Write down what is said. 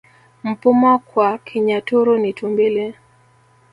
Mpuma kwa Kinyaturu ni tumbili